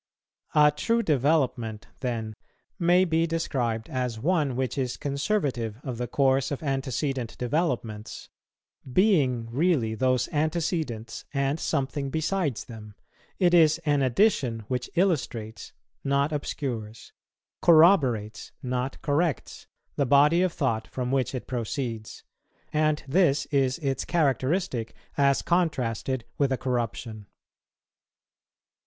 A true development, then, may be described as one which is conservative of the course of antecedent developments being really those antecedents and something besides them: it is an addition which illustrates, not obscures, corroborates, not corrects, the body of thought from which it proceeds; and this is its characteristic as contrasted with a corruption.